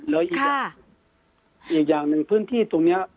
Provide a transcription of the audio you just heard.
และอีกอย่างหนึ่งพื้นที่ตรงนี้